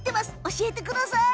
教えてください。